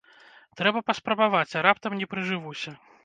Трэба паспрабаваць, а раптам не прыжывуся.